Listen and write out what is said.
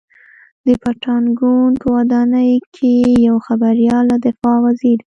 د پنټاګون په ودانۍ کې یوه خبریال له دفاع وزیر